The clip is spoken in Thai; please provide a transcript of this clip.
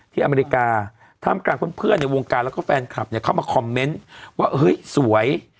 อเมริกาท่ามกลางเพื่อนในวงการแล้วก็แฟนคลับเนี่ยเข้ามาคอมเมนต์ว่าเฮ้ยสวย